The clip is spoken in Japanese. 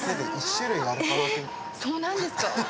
そうなんですよ。